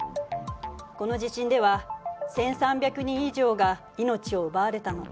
この地震では１，３００人以上が命を奪われたの。